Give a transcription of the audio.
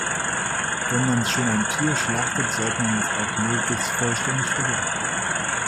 Wenn man schon ein Tier schlachtet, sollte man es auch möglichst vollständig verwerten.